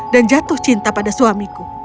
dan jatuh cinta pada suamiku